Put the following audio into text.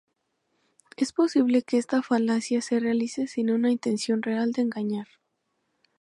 Es posible que esta falacia se realice sin una intención real de engañar.